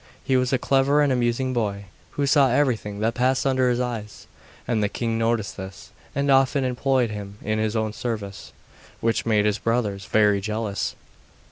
He was a clever and amusing boy, who saw everything that passed under his eyes, and the king noticed this, and often employed him in his own service, which made his brothers very jealous.